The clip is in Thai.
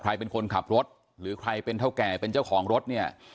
ใครเป็นคนขับรถหรือใครเป็นเท่าแก่เป็นเจ้าของรถเนี่ย